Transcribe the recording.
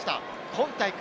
今大会